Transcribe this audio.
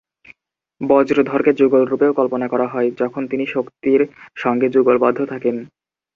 বজ্রধরকে যুগলরূপেও কল্পনা করা হয়, যখন তিনি শক্তির সঙ্গে যুগলবদ্ধ থাকেন।